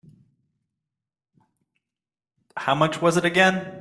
How much was it again?